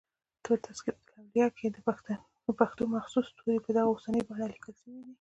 په" تذکرة الاولیاء" کښي دپښتو مخصوص توري په دغه اوسنۍ بڼه لیکل سوي دي.